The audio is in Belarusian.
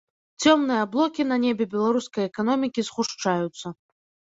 Цёмныя аблокі на небе беларускай эканомікі згушчаюцца.